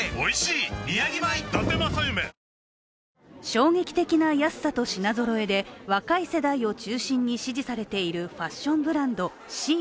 衝撃的な安さと品ぞろえで若い世代を中心に支持されているファッションブランド、ＳＨＥＩＮ。